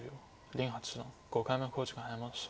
林八段５回目の考慮時間に入りました。